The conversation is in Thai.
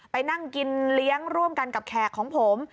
ไปนั่งกินเลี้ยงร่วมกันกับแขกของผม